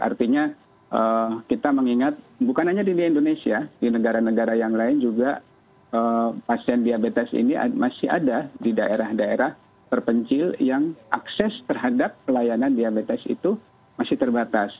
artinya kita mengingat bukan hanya di indonesia di negara negara yang lain juga pasien diabetes ini masih ada di daerah daerah terpencil yang akses terhadap pelayanan diabetes itu masih terbatas